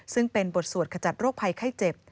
ซึ่งเป็นบทสวดขจัดโรคภัยไข้เจ็บ